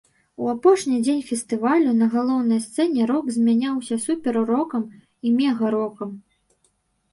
У апошні дзень фестывалю на галоўнай сцэне рок змяняўся супер-рокам і мега-рокам.